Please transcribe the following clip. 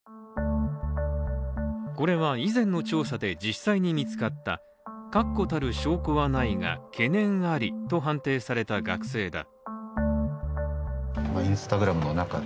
これは以前の調査で、実際に見つかった確固たる証拠はないが懸念ありと判定された学生だ。